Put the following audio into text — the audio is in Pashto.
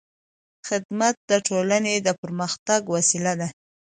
خدمت د ټولنې د پرمختګ وسیله ده.